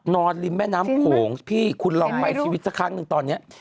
ริมแม่น้ำโขงพี่คุณลองไปชีวิตสักครั้งหนึ่งตอนนี้